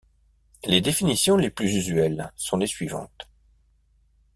Les définitions les plus usuelles sont les suivantes.